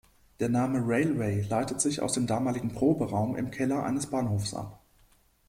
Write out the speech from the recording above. Der Name Railway leitet sich aus dem damaligen Proberaum im Keller eines Bahnhofs ab.